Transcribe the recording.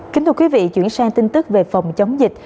kính thưa quý vị chuyển sang tin tức về phòng chống dịch